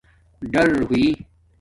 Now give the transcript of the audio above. ڈار ہوئ